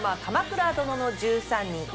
「鎌倉殿の１３人」